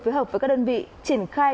phối hợp với các đơn vị triển khai